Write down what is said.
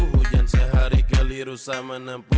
hujan sehari keliru sama